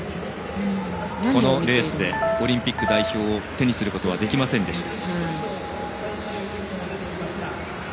このレースでオリンピック代表を手にすることはできませんでした。